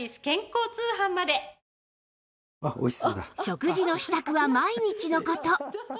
食事の支度は毎日の事